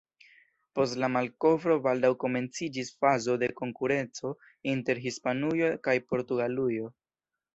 Post la malkovro baldaŭ komenciĝis fazo de konkurenco inter Hispanujo kaj Portugalujo.